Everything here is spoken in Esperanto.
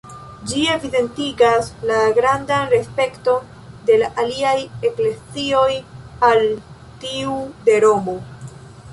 Ĝi evidentigas la grandan respekton de la aliaj eklezioj al tiu de Romo.